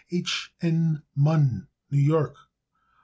H. N. Munn, New York.